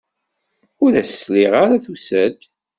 Ur as-sliɣ ara tusa-d.